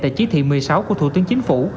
tại chỉ thị một mươi sáu của thủ tướng chính phủ